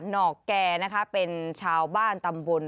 นอกแก่นะคะเป็นชาวบ้านตำบล